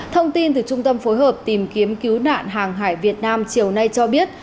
thông tin từ trung tâm phối hợp tìm kiếm cứu nạn hàng hải việt nam chiều nay cho biết